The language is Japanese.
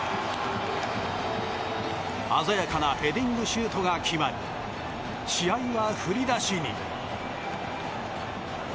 鮮やかなヘディングシュートが決まり、試合は振り出しに。